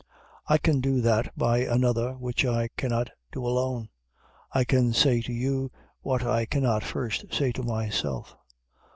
I can do that by another which I cannot do alone. I can say to you what I cannot first say to myself.